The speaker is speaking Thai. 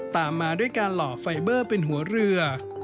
ตามมาด้วยการหล่อไฟเบอร์เป็นหัวเรือ